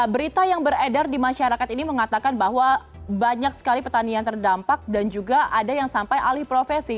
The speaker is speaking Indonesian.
berita yang beredar di masyarakat ini mengatakan bahwa banyak sekali petani yang terdampak dan juga ada yang sampai alih profesi